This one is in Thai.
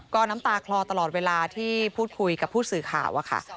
ก็น้ำตาคลอตลอดเวลาที่พูดคุยกับผู้สื่อข่าวอะค่ะ